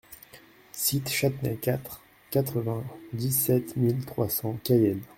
Cite Chatenay quatre, quatre-vingt-dix-sept mille trois cents Cayenne